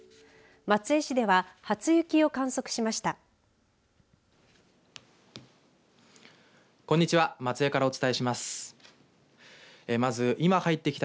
松江市では初雪を観測しました。